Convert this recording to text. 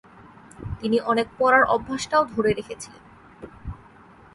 তিনি অনেক পড়ার অভ্যাসটাও ধরে রেখেছিলেন।